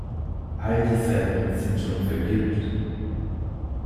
All die Seiten sind schon vergilbt.